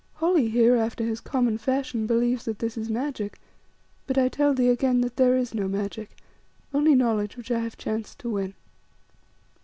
Holly here, after his common fashion, believes that this is magic, but I tell thee again that there is no magic, only knowledge which I have chanced to win."